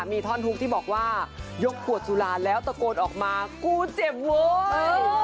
มีท่อนฮุกที่บอกว่ายกขวดสุราแล้วตะโกนออกมากูเจ็บเว้ย